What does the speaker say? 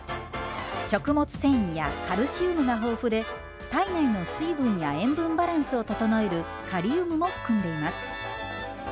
食物繊維やカルシウムが豊富で体内の水分や塩分バランスを整えるカリウムも含んでいます。